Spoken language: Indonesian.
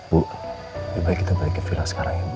bu lebih baik kita balik ke villa sekarang ya bu